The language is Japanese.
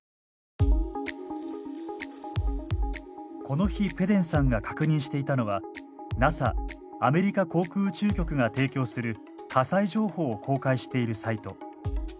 この日ペデンさんが確認していたのはＮＡＳＡアメリカ航空宇宙局が提供する火災情報を公開しているサイト。